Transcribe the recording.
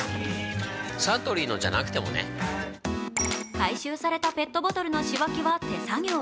回収されたペットボトルの仕分けは手作業。